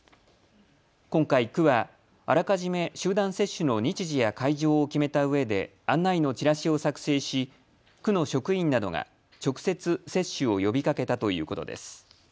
今回、区はあらかじめ集団接種の日時や会場を決めたうえで案内のチラシを作成し区の職員などが直接、接種を呼びかけたということです。